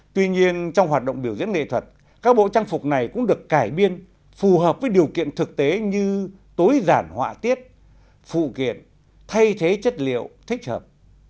tuy nhiên trong hoạt động biểu diễn nghệ thuật các bộ trang phục này cũng được cải biên phù hợp với điều kiện thực tế như tối giản họa tiết phụ kiện thay thế chất liệu thích hợp